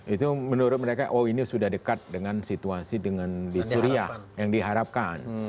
itu menurut mereka oh ini sudah dekat dengan situasi dengan di suriah yang diharapkan